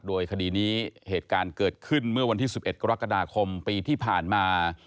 โดยคดีนี้เหตุการณ์เกิดขึ้นเมื่อวันที่๑๑กรกฎาคมปีที่ผ่านมา